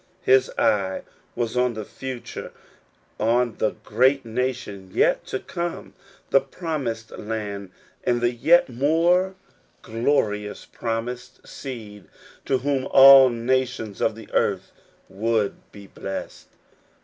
His eye was on the future, on the great nation yet to come, the promised land, and the yet more glorious 22 According to the Promise. promised seed in whom all nations of the earth would be blessed.